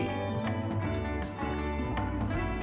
koyor diambil dari lutut sapi